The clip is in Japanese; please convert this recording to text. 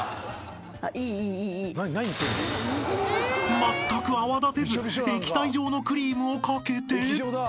［まったく泡立てず液体状のクリームを掛けて］